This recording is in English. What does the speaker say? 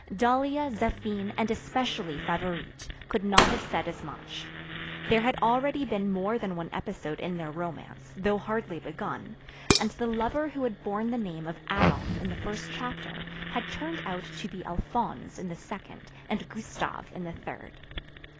Dahlia, Zéphine, and especially Favourite, could not have said as much. There had already been more than one episode in their romance, though hardly begun; and the lover who had borne the name of Adolph in the first chapter had turned out to be Alphonse in the second, and Gustave in the third.